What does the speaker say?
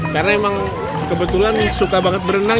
karena emang kebetulan suka banget berenang